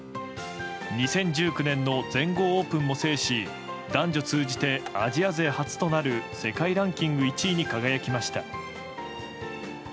２０１９年の全豪オープンも制し男女通じてアジア勢初となる世界ランキング１位に輝きました。